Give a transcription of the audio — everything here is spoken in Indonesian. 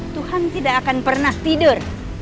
tuhan tidak akan pernah tidur